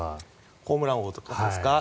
ホームラン王とかですか？